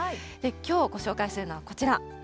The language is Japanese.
きょうご紹介するのはこちら。